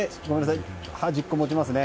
端っこ持ちますね。